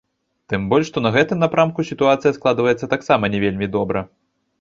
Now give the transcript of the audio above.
Тым больш што на гэтым напрамку сітуацыя складваецца таксама не вельмі добра.